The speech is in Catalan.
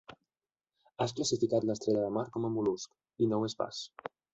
Has classificat l'estrella de mar com a mol·lusc, i no ho és pas.